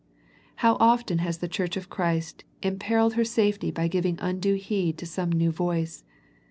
How often has the Church of Christ imper illed her safety by ^ivin^ undue heed to some new voice.